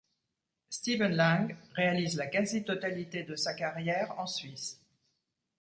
Steven Lang réalise la quasi totalité de sa carrière en Suisse.